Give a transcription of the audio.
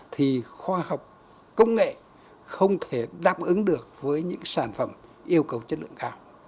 thì khoa học công nghệ không thể đáp ứng được với những sản phẩm yêu cầu chất lượng cao